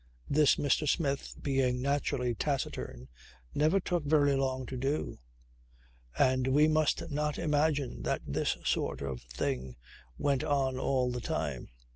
This, Mr. Smith, being naturally taciturn, never took very long to do. And we must not imagine that this sort of thing went on all the time.